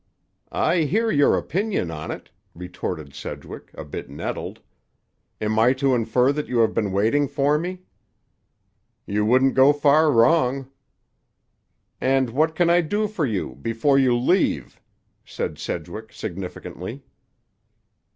"I hear your opinion on it," retorted Sedgwick, a bit nettled. "Am I to infer that you have been waiting for me?" "You wouldn't go far wrong." "And what can I do for you—before you leave?" said Sedgwick significantly.